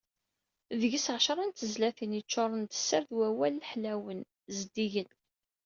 Deg-s εecra n tezlatin yeččuren d sser d wawal ḥlawen, zeddigen.